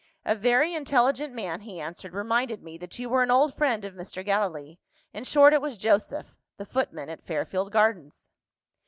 "A very intelligent man," he answered, "reminded me that you were an old friend of Mr. Gallilee. In short, it was Joseph the footman at Fairfield Gardens."